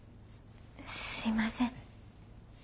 すいません。